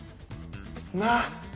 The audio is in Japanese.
なっ？